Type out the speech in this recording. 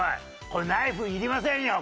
これナイフいりませんよ